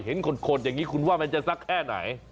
ขดอย่างนี้คุณว่ามันจะสักแค่ไหน